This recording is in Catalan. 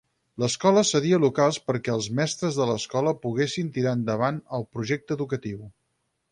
L'escola cedia locals perquè els mestres de l'escola poguessin tirar endavant el projecte educatiu.